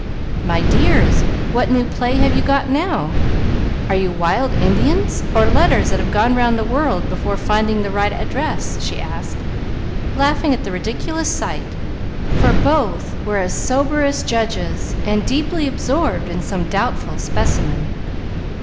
"My dears! what new play have you got now? Are you wild Indians? or letters that have gone round the world before finding the right address?" she asked, laughing at the ridiculous sight, for both were as sober as judges and deeply absorbed in some doubtful specimen.